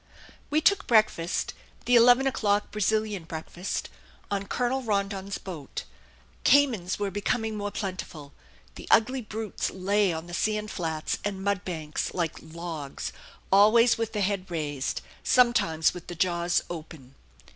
We took breakfast the eleven o'clock Brazilian breakfast on Colonel Rondon's boat. Caymans were becoming more plentiful. The ugly brutes lay on the sand flats and mud banks like logs, always with the head raised, sometimes with the jaws open.